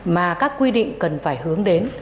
mà các quy định cần phải hướng đến